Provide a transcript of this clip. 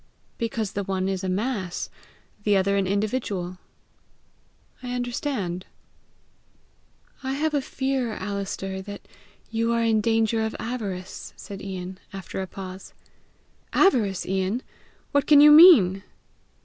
"Because the one is a mass, the other an individual." "I understand." "I have a fear, Alister, that you are in danger of avarice," said Ian, after a pause. "Avarice, Ian! What can you mean?"